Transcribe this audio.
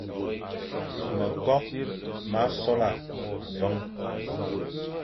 Mekokh ma sola meveñ,